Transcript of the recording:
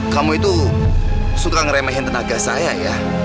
kamu itu suka ngeremehin tenaga saya ya